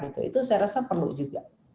itu saya rasa perlu juga